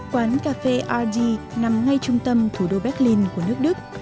quán cà phê ady nằm ngay trung tâm thủ đô berlin của nước đức